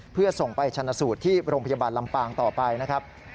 เพื่อส่งไปชนะสูตรที่โรงพยาบาลลำปางต่อไปนะครับ